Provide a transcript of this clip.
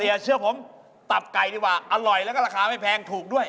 เชื่อผมตับไก่ดีกว่าอร่อยแล้วก็ราคาไม่แพงถูกด้วย